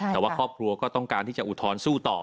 แต่ว่าครอบครัวก็ต้องการที่จะอุทธรณ์สู้ต่อ